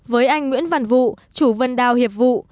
với anh nguyễn văn vụ chủ vườn đào hiệp vụ